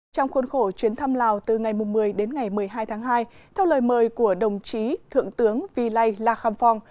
trong khuôn khổ chuyến thăm lào từ ngày một mươi đến ngày một mươi hai tháng hai theo lời mời của đồng chí thượng tướng vy lai la kham phong